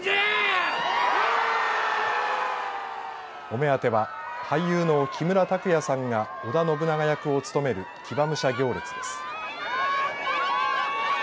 お目当ては俳優の木村拓哉さんが織田信長役を務める騎馬武者行列です。